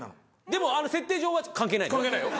でも設定上は関係ないのよ。